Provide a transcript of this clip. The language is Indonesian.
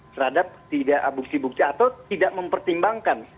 terhadap bukti bukti atau tidak mempertimbangkan